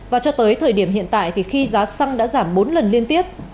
và cho tới thời điểm hiện tại thì khi giá xăng đã giảm bốn lần liên tiếp